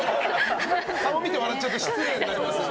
顔見て笑っちゃうのは失礼になりますよ。